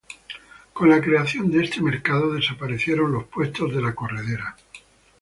Con la creación de este mercado desaparecieron los puesto de la Corredera.